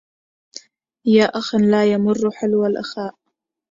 يا أخا لا يمر حلو الإخاء